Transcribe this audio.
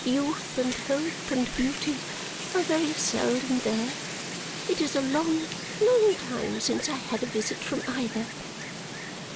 Youth, and hope, and beauty are very seldom there. It is a long, long time since I had a visit from either."